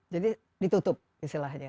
jadi ditutup istilahnya